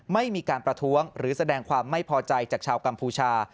ไม่มีการประท้วงหรือแสดงความไม่พอใจจากชาวกัมพูชา